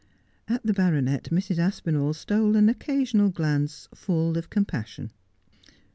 At the baronet Mrs. Aspinall stole an occasional glance full of compassion.